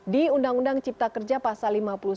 di undang undang cipta kerja pasal lima puluh sembilan